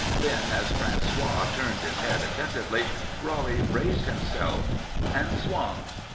Then, as François turned his head attentively, Roly braced himself and swung.